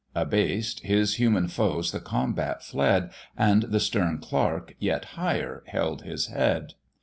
Abased, his human foes the combat fled, And the stern clerk yet higher held his head.